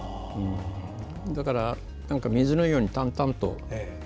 だから水のように淡々と。